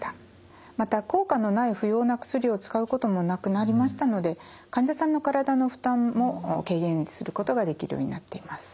また効果のない不要な薬を使うこともなくなりましたので患者さんの体の負担も軽減することができるようになっています。